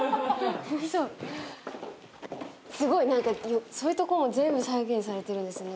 すごいそういうとこも全部再現されてるんですね